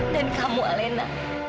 dan kamu alena